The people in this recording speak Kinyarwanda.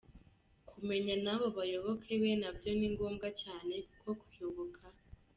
Kumenya n’abo bayoboke be nabyo ni ngombwa cyane, kuko kuyoboka